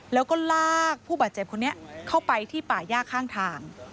แล้วก็ลากผู้บาดเจ็บคนนี้เข้าไปที่ป่าย่าข้างทาง